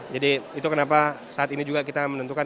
jadi itu kenapa saat ini juga kita menentukan